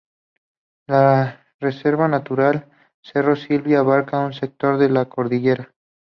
La Reserva natural "Cerro Silva" abarca un sector de la cordillera.